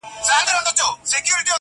عمر تېر سو زه په صبر نه مړېږم!